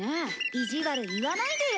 意地悪言わないでよ。